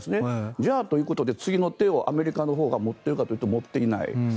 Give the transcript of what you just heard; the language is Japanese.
じゃあ、ということで次の手をアメリカのほうが持っているかというと持っていない。